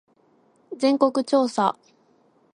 全国調査